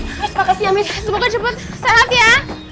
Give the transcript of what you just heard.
terus makasih amir semoga cepet sehat ya